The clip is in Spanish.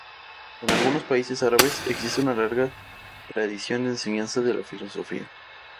En algunos países árabes existe una larga tradición de enseñanza de la filosofía.